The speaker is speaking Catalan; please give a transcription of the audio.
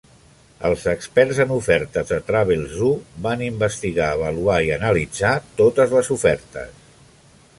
Els experts en ofertes de Travelzoo van investigar, avaluar i analitzar totes les ofertes.